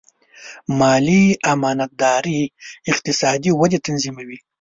مالي امانتداري اقتصادي ودې تضمینوي.